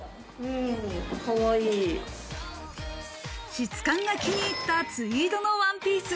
質感が気に入ったツイードのワンピース。